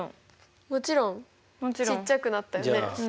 もちろんちっちゃくなったよね。